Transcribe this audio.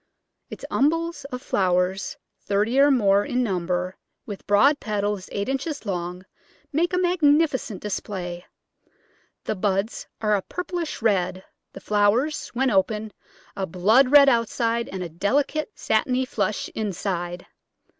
Its umbels of flowers, thirty or more in number, with broad petals eight inches long, make a magnificent display. The buds are a purplish red, the flowers, when open, a blood red outside and a delicate, satiny flush inside.